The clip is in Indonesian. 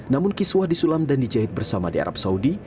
namun kiswah disulam dan dijahit bersama di arab saudi